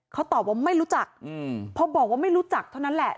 เขาตอบว่าไม่รู้จักพอบอกว่าไม่รู้จักเท่านั้นแหละ